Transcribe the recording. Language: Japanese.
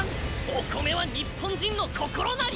お米は日本人の心なりよ！